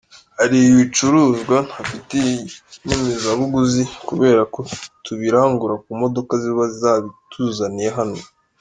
Hari ibicuruzwa ntafitiye inyemezabuguzi kubera ko tubirangura ku modoka ziba zabituzaniye hano.